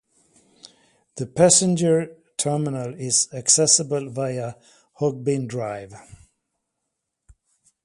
The passenger terminal is accessible via Hogbin Drive.